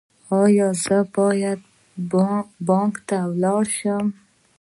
ایا زه باید بانک ته لاړ شم؟